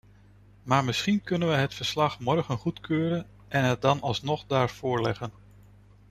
Maar misschien kunnen we het verslag morgen goedkeuren en het dan alsnog daar voorleggen.